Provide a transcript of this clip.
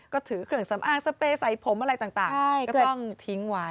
ก็ถือเครื่องสำอางสเปรย์ใส่ผมอะไรต่างก็ต้องทิ้งไว้